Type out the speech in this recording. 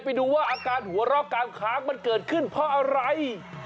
ไปดูว่าอาการหัวเราะกลางค้างมันเกิดขึ้นเพราะอะไร